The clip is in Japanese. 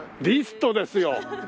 リストですよ。